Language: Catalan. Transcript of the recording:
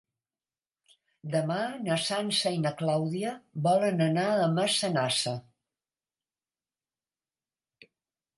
Demà na Sança i na Clàudia volen anar a Massanassa.